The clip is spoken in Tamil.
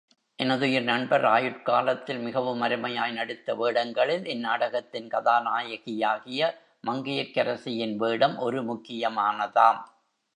எனதுயிர் நண்பர் ஆயுட் காலத்தில் மிகவும் அருமையாய் நடித்த வேடங்களில், இந்நாடகத்தின் கதாநாயகியாகிய மங்கையர்க்கரசியின் வேடம் ஒரு முக்கியமானதாம்.